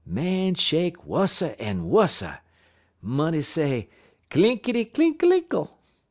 Man shake wusser en wusser. Money say: _'Clinkity, clinkalinkle!'